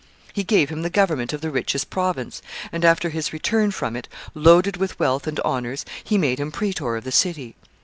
He gave him the government of the richest province, and, after his return from it, loaded with wealth and honors, he made him praetor of the city.